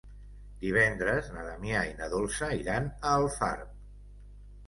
Divendres na Damià i na Dolça iran a Alfarb.